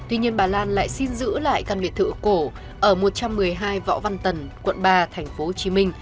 tuy nhiên bà lan lại xin giữ lại căn biệt thự cổ ở một trăm một mươi hai võ văn tần quận ba tp hcm